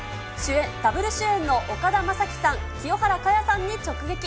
ダブル主演の岡田将生さん、清原果耶さんに直撃。